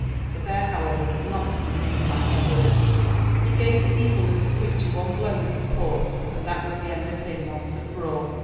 '' The bear, however, was not to be moved by his words. He gave the evil little creature one blow with his paw and that was the end of him once and for all.